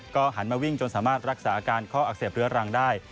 หันมาวิ่งจนสามารถรักษาอาการข้ออักเสบเรื้อรังได้